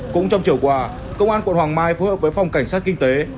cũng trong chiều qua công an quận hoàng mai phối hợp với phòng cảnh sát kinh tế